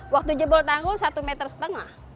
waktu jebol tanggul satu meter setengah